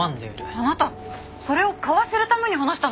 あなたそれを買わせるために話したの？